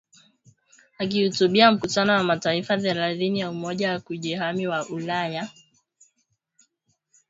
Akihutubia mkutano wa mataifa thelathini ya Umoja wa Kujihami wa Ulaya, amesema Marekani itaanzisha kambi kuu ya kudumu ya tano ya Marekani